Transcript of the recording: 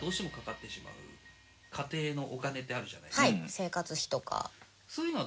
はい生活費とか。